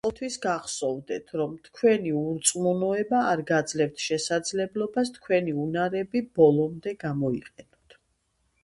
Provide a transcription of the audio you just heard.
ყოველთვის გახსოვდეთ, რომ თქვენი ურწმუნოება არ გაძლევთ შესაძლებლობას თქვენი უნარები ბოლომდე გამოიყენოთ.